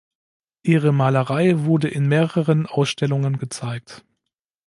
Ihre Malerei wurde in mehreren Ausstellungen gezeigt.